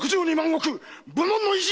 石武門の意地！